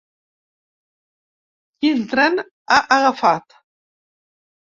Quin tren ha agafat?